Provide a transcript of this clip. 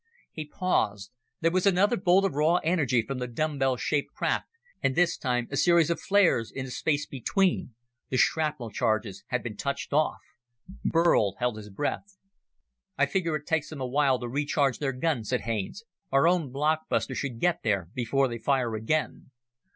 He paused. There was another bolt of raw energy from the dumbbell shaped craft, and this time a series of flares in the space between the shrapnel charges had been touched off. Burl held his breath. "I figure it takes them a while to recharge their gun," said Haines. "Our own blockbuster should get there before they fire again."